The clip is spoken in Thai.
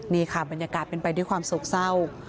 นี่ค่ะบรรยากาศเป็นไปด้วยความโศกเศร้า